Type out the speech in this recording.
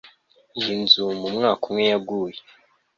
Iyi nzu mu mwaka umwe yaguye